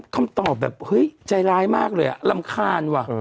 คำตอบแบบเฮ้ยใจร้ายมากเลยอ่ะรำคาญว่ะ